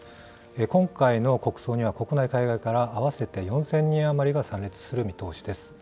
今回の国葬には国内、海外から合わせて４０００人余りが参列する見通しです。